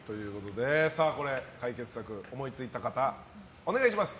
解決策、思いついた方お願いします。